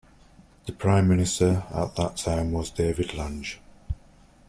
The Prime Minister at that time was David Lange.